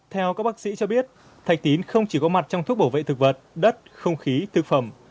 theo các bác sĩ cho biết thạch tín không chỉ có mặt trong thuốc bảo vệ thực vật đất không khí thực phẩm